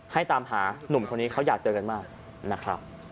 ให้ตามหาหนุ่มคนนี้เขาอยากเจอกันมาก